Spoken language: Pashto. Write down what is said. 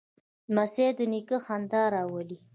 لمسی د نیکه خندا راولي.